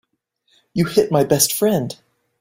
You hit my best friend.